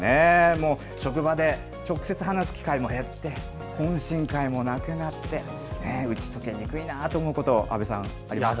もう職場で直接話す機会も減って、懇親会もなくなって、打ち解けにくいなと思うこと、阿部さんありますか？